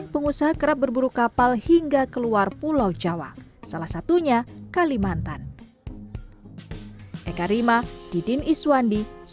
pengusaha kerap berburu kapal hingga keluar pulau jawa salah satunya kalimantan